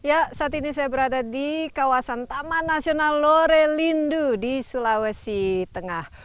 ya saat ini saya berada di kawasan taman nasional lorelindu di sulawesi tengah